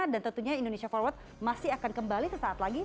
dan tentunya indonesia forward masih akan kembali tersaat lagi